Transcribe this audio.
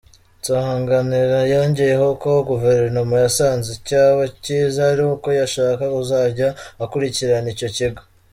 Nsanganira yongeyeho ko Guverinoma yasanze icyaba kiza ari uko yashaka uzajya akurikirana icyo kigo.